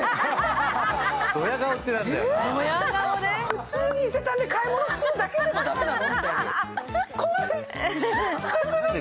普通に伊勢丹で買い物するだけでも駄目なの？